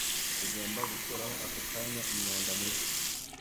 Tugomba gukuraho ako kanya imyanda mibi.